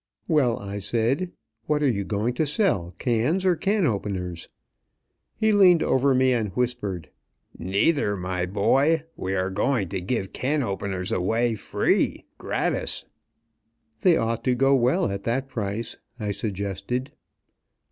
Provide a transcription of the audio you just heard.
"Well," I said, "what are you going to sell, cans or can openers?" He leaned over me and whispered. "Neither, my boy. We are going to give can openers away, free gratis!" "They ought to go well at that price," I suggested.